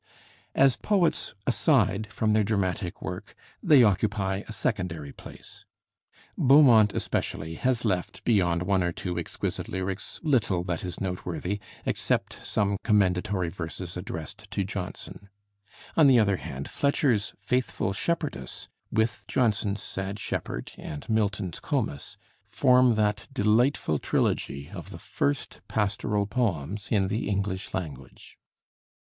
As poets, aside from their dramatic work, they occupy a secondary place. Beaumont especially has left, beyond one or two exquisite lyrics, little that is noteworthy, except some commendatory verses addressed to Jonson. On the other hand, Fletcher's 'Faithful Shepherdess,' with Jonson's 'Sad Shepherd' and Milton's 'Comus,' form that delightful trilogy of the first pastoral poems in the English language.